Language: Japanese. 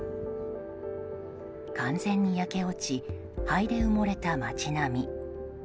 完全に焼け落ち灰で埋もれた街並み。